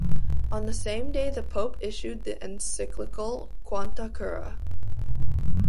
On the same day the Pope issued the encyclical "Quanta cura".